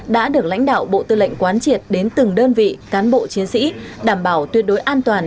đã được lãnh đạo bộ tư lệnh quán triệt đến từng đơn vị cán bộ chiến sĩ đảm bảo tuyệt đối an toàn